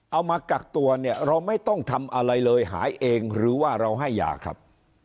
มากักตัวเนี่ยเราไม่ต้องทำอะไรเลยหายเองหรือว่าเราให้ยาครับ